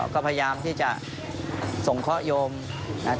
ก็พยายามที่จะถ่งเข้ายมเท่าที่จะทำได้